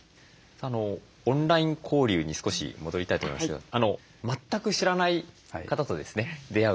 オンライン交流に少し戻りたいと思いますけど全く知らない方とですね出会う